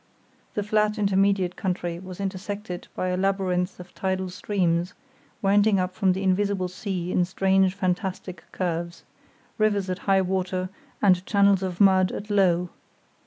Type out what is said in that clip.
The flat intermediate country was intersected by a labyrinth of tidal streams, winding up from the invisible sea in strange fantastic curves—rivers at high water, and channels of mud at low.